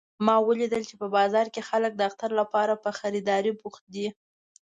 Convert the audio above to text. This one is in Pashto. ما ولیدل چې په بازار کې خلک د اختر لپاره په خریدارۍ بوخت دي